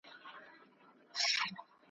چي آباد وي پر نړۍ جاهل قومونه !.